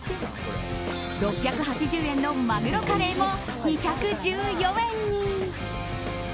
６８０円のマグロカレーも２１４円に。